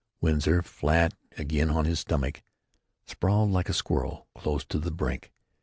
Winsor, flat again on his stomach, sprawled like a squirrel close to the brink.